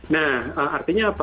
nah artinya apa